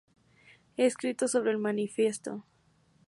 Ha escrito sobre el "Manifiesto.